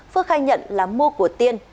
phước khai nhận là mua của tiên